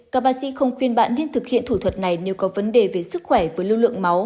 các bác sĩ không khuyên bạn nên thực hiện thủ thuật này nếu có vấn đề về sức khỏe với lưu lượng máu